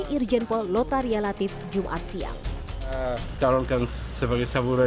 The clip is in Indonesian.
irjenpol lotaria latif jumat siang